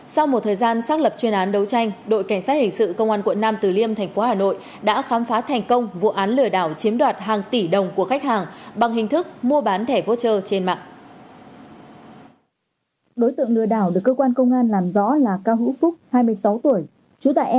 sau một thời gian xác lập chuyên án đấu tranh đội cảnh sát hình sự công an quận nam từ liêm thành phố hà nội đã khám phá thành công vụ án lừa đảo chiếm đoạt hàng tỷ đồng của khách hàng bằng hình thức mua bán thẻ voucher trên mạng